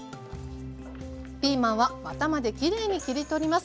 ピーマンはワタまできれいに切り取ります。